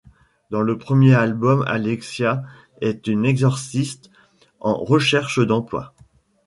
Dans le premier album, Alexia est une exorciste en recherche d'emploi.